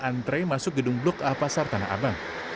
antre masuk gedung blok a pasar tanah abang